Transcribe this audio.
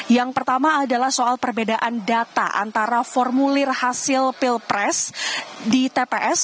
yang pertama adalah soal perbedaan data antara formulir hasil pilpres di tps